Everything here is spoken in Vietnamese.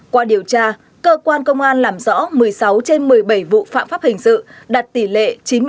qua điều tra cơ quan công an làm rõ một mươi sáu trên một mươi bảy vụ phạm pháp hình sự đạt tỷ lệ chín mươi bốn một mươi một